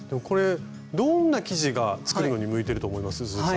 これどんな生地が作るのに向いてると思います？